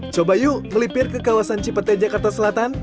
coba yuk melipir ke kawasan cipete jakarta selatan